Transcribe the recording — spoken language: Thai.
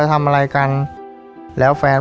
ปิดเท่าไหร่ก็ได้ลงท้ายด้วย๐เนาะ